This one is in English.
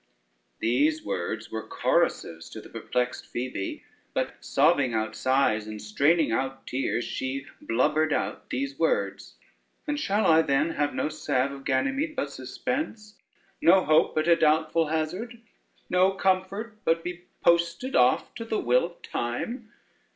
These words were corrosives to the perplexed Phoebe, but sobbing out sighs, and straining out tears, she blubbered out these words: "And shall I then have no salve of Ganymede but suspense, no hope but a doubtful hazard, no comfort, but be posted off to the will of time?